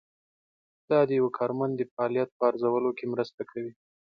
دا د یو کارمند د فعالیت په ارزولو کې مرسته کوي.